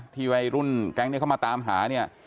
วัยรุ่นแก๊งนี้เข้ามาตามหาเนี่ย